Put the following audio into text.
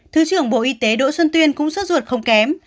thứ trưởng bộ y tế đỗ xuân tuyên cũng suốt ruột không kém